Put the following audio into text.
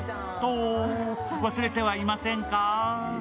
と、忘れてはいませんか？